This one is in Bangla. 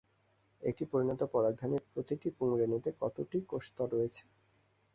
একটি পরিণত পরাগধানির প্রতিটি পুংরেণুতে কতটি কোষস্তর রয়েছে?